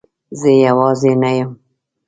زه یوازی نه یم